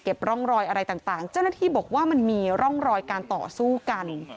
ร่องรอยอะไรต่างเจ้าหน้าที่บอกว่ามันมีร่องรอยการต่อสู้กัน